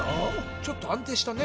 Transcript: ちょっと安定したね。